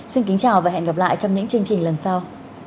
xin kính chào và hẹn gặp lại trong những chương trình lần sau